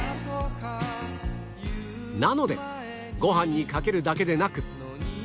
なのでご飯にかけるだけでなく